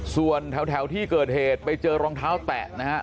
ส่วนแถวที่เกิดเหตุไปเจอรองเท้าแตะนะครับ